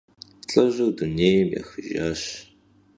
ЛӀыжьыр дунейм ехыжащ.